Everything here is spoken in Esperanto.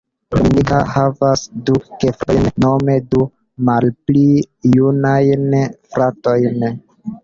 Dominika havas du gefratojn, nome du malpli junajn fratojn.